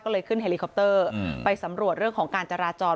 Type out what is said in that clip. ก็เลยขึ้นเฮลิคอปเตอร์ไปสำรวจเรื่องของการจราจร